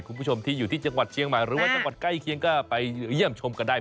คุณผู้ชมที่อยู่ที่จังหวัดเชียงใหม่หรือว่าจังหวัดใกล้เคียงก็ไปเยี่ยมชมกันได้